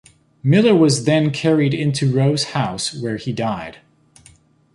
Miller was then carried into Roe's house, where he died.